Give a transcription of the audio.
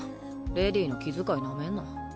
レディーの気遣いなめんな。